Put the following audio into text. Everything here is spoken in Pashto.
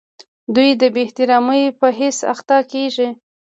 دوی د بې احترامۍ په حس اخته کیږي.